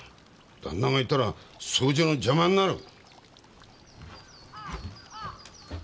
旦那がいたら掃除の邪魔になる。